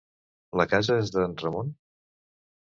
La casa és d'en Ramon?